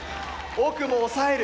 奥も抑える。